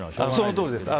そのとおりです。